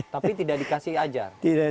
tapi tidak dikasih ajar